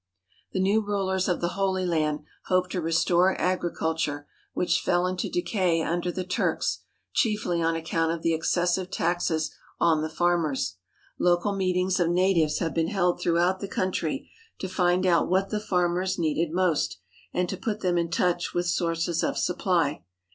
The new rulers of the Holy Land hope to restore agri culture, which fell into decay under the Turks, chiefly on account of the excessive taxes on the farmers. Local meetings of natives have been held throughout the country, to find out what the farmers needed most, and to put them in touch with sources of supply.